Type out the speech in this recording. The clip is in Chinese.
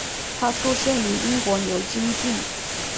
他出生于英国牛津郡。